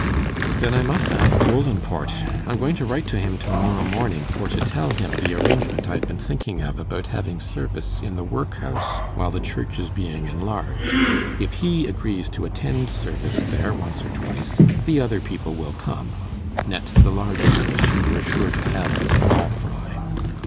'Then I must ask Oldinport. I'm going to write to him to morrow morning, for to tell him the arrangement I've been thinking of about having service in the workhouse while the church is being enlarged. If he agrees to attend service there once or twice, the other people will come. Net the large fish, and you're sure to have the small fry.